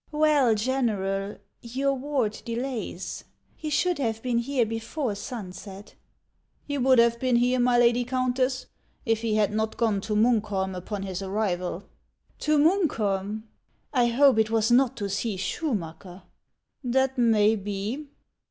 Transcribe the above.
" Well, General, your ward delays. He should have been here before sunset." " He would have been here, my lady Countess, if he had not gone to Munkholm upon his arrival." " To Munkholm ! I hope it was not to see Schuruacker ?"" That may be."